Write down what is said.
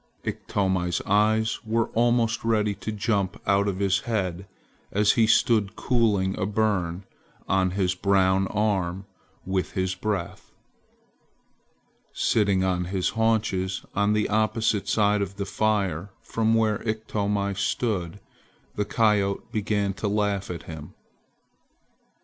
Iktomi's eyes were almost ready to jump out of his head as he stood cooling a burn on his brown arm with his breath. Sitting on his haunches, on the opposite side of the fire from where Iktomi stood, the coyote began to laugh at him.